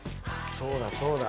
そうだそうだ。